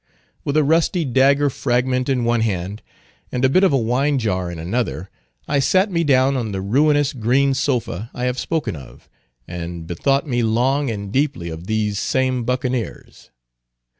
"With a rusty dagger fragment in one hand, and a bit of a wine jar in another, I sat me down on the ruinous green sofa I have spoken of, and bethought me long and deeply of these same Buccaneers.